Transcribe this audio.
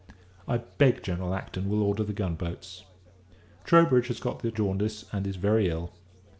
I beg General Acton will order the gun boats. Troubridge has got the jaundice, and is very ill.